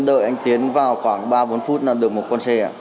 đợi anh tiến vào khoảng ba bốn phút làm được một con xe ạ